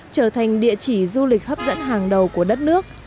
trở thành địa chỉ du lịch hấp dẫn hàng đầu của đất nước